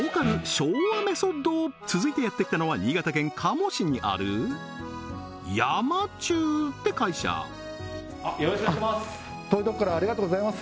昭和メソッド続いてやって来たのは新潟県加茂市にある山忠って会社あっよろしくお願いします